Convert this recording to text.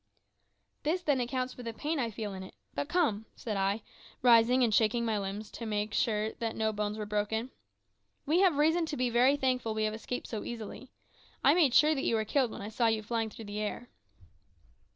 "This, then, accounts for the pain I feel in it. But come," said I, rising and shaking my limbs to make sure that no bones were broken; "we have reason to be very thankful we have escaped so easily. I made sure that you were killed when I saw you flying through the air."